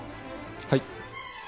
はい。